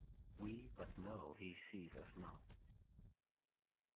We but know he sees us not.